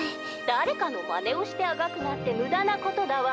「だれかのまねをしてあがくなんてむだなことだわ」。